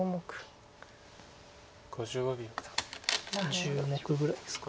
１０目ぐらいですか。